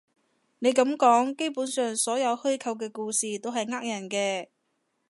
你噉講，基本上所有虛構嘅故事都係呃人嘅